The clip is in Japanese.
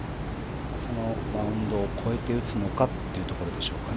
そのマウンドを越えて打つのかというところでしょうね。